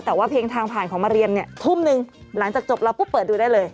แต่ว่าเพลงทางผ่านของมาเรียนเนี่ยทุ่มหนึ่งหลังจากจบเราปุ๊บเปิดดูได้เลย